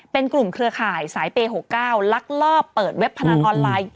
เป็นกลุ่มเครือข่ายสายเปย์๖๙ลักลอบเปิดเว็บพนันออนไลน์